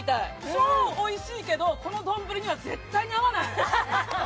超おいしいけど、このどんぶりには絶対合わない。